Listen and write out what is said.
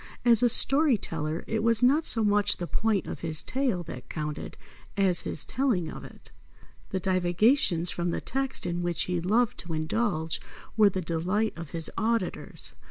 As a story teller, it was not so much the point of his tale that counted as his telling of it. The divagations from the text in which he loved to indulge were the delight of his auditors.